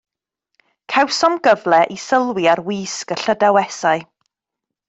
Cawsom gyfle i sylwi ar wisg y Llydawesau.